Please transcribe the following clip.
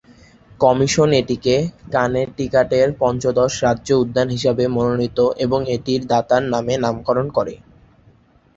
Commission এটিকে কানেটিকাটের পঞ্চদশ রাজ্য উদ্যান হিসাবে মনোনীত এবং এটির দাতার নামে নামকরণ করে।